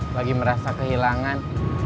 lagi merasa kehilangan